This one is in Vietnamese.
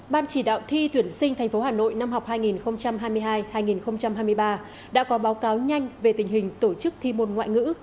ban chỉ đạo thi tuyển sinh tp hà nội năm học hai nghìn hai mươi hai hai nghìn hai mươi ba đã có báo cáo nhanh về tình hình tổ chức thi môn ngoại ngữ